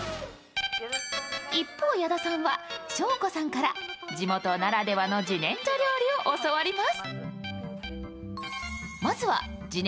一方、矢田さんは彰子さんから地元ならではの自然薯料理を教わります。